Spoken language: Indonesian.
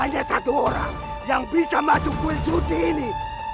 hanya satu orang yang bisa masuk bulan suci ini